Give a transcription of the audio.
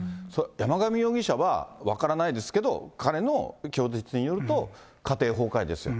山上容疑者は分からないですけど、彼の供述によると、家庭崩壊ですよ。